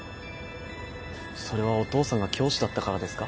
それはお父さんが教師だったからですか？